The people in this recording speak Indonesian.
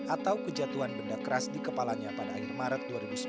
atau kejatuhan benda keras di kepalanya pada akhir maret dua ribu sembilan belas